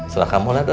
silahkan mulai kuy